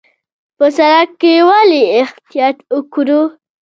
په سړک کې ولې احتیاط وکړو؟